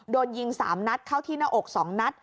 โดนยิง๓นัดเข้าที่หน้าอก๒นัด